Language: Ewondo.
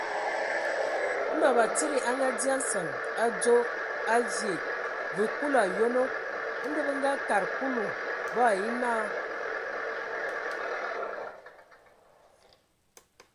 Ndɔ batsidi a ngadzye a nsǝŋ adzo a vyɛɛ̂! Vǝ kul o yonoŋ. Ndɔ bə akǝ kad Kulu, bo ai nye naa.